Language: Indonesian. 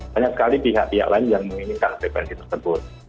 banyak sekali pihak pihak lain yang menginginkan frekuensi tersebut